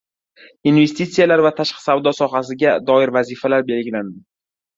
Investitsiyalar va tashqi savdo sohasiga doir vazifalar belgilandi